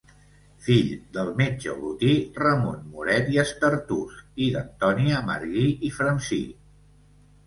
Fill del metge olotí Ramon Moret i Estartús i d'Antònia Marguí i Francí.